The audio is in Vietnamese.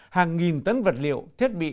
hàng nghìn tấn vật liệu thiết bị